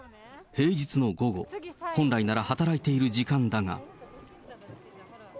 平日の午後、本来なら働いている時間だが。